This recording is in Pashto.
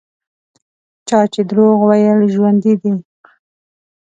چا چې دروغ ویل ژوندي دي.